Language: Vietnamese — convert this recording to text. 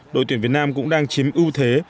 đội tuyển việt nam cũng đang chiếm ưu thế